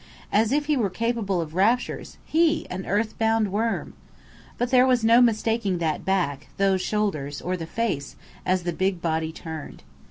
As if he were capable of raptures, he, an earth bound worm! But there was no mistaking that back, those shoulders, or the face, as the big body turned.